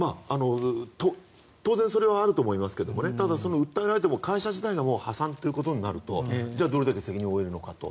当然それはあると思いますが、会社自体が破産ということになると、じゃあどれだけ責任を負えるのかと。